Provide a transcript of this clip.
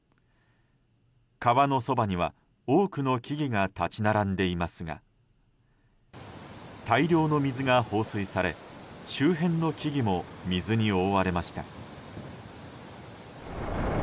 川のそばには多くの木々が立ち並んでいますが大量の水が放水され周辺の木々も水に覆われました。